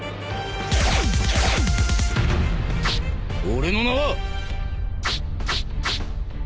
俺の名は。